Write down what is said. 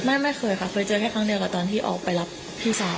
ไม่เคยค่ะเคยเจอแค่ครั้งเดียวกับตอนที่ออกไปรับพี่สาว